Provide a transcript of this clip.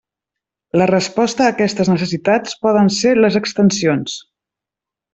La resposta a aquestes necessitats poden ser les extensions.